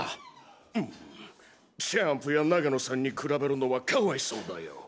うんチャンプや永野さんに比べるのはかわいそうだよ。